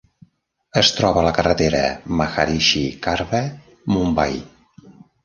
Es troba a la carretera Maharishi Karve, Mumbai.